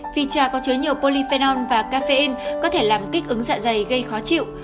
vì trà có chứa nhiều polyphenol và caffeine có thể làm kích ứng dạ dày gây khó chịu